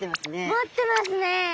持ってますね。